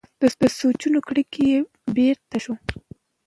د سوچونو کړکۍ یې بېرته شوه.